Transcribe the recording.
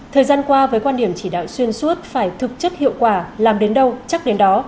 thời gian qua với quan điểm chỉ đạo xuyên suốt phải thực chất hiệu quả làm đến đâu chắc đến đó